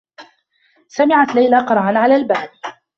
سمعت ليلى قرعا على الباب.